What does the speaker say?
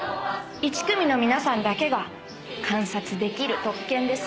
１組の皆さんだけが観察できる特権です。